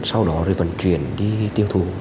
sau đó vận chuyển đi tiêu thụ